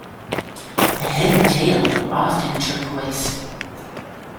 The head and tail are often turquoise.